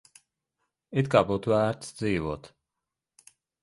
It kā būtu vērts dzīvot.